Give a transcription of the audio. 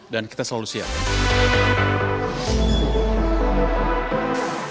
dan kita selalu siap